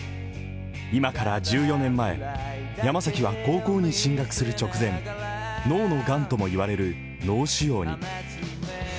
今から１４年前、山崎は高校に進学する直前脳のがんとも言われる脳腫瘍に。